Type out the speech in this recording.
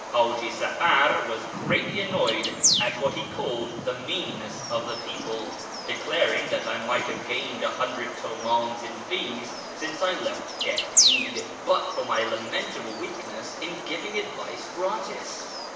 Haji Safar was greatly annoyed at what he called the meanness of the people, declaring that I might have gained a hundred Hmdns in fees since I left Dilibid but for my lamentable weakness in giving advice gratis.